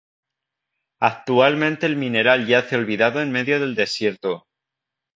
Actualmente el mineral yace olvidado en medio del desierto.